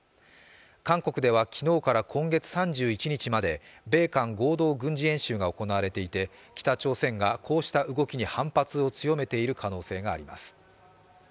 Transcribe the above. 韓国では昨日から今月３１日まで米韓合同軍事演習が行われていて北朝鮮がこうした動きに反発を強めている可能性があります。